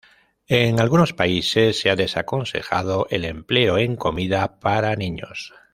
En algunos países se ha desaconsejado el empleo en comida para niños.